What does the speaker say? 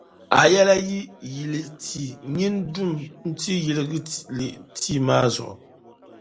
A yɛla yi yili tia nyin’ dum’ nti yiligi li tia maa zuɣu.